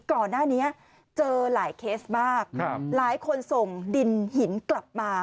ก่อนหน้านี้เจอหลายเคสมากหลายคนส่งดินหินกลับมา